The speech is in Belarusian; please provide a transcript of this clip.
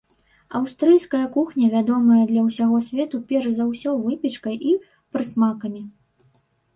Аўстрыйская кухня вядомая для ўсяго свету перш за ўсё выпечкай і прысмакамі.